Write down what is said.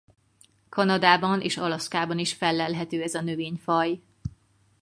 Kanadában és Alaszkában is fellelhető ez a növényfaj.